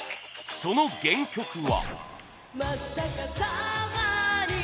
その原曲は。